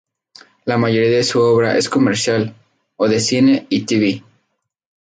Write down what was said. La mayoría de su obra es comercial o de cine y t.v.